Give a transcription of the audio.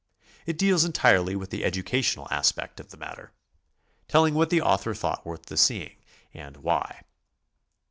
It deals entirely with the educational aspect of the matter, telling what the author thought worth the seeing, and why.